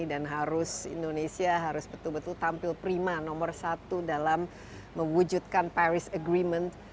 dan harus indonesia harus betul betul tampil prima nomor satu dalam mewujudkan paris agreement